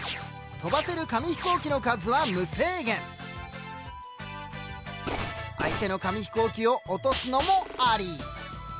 飛ばせる紙飛行機の数は相手の紙飛行機を落とすのもあり。